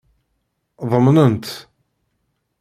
Ḍemnen-tt.